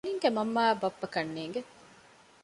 ޝެނިންގެ މަންމައާއި ބައްޕަ ކަންނޭނގެ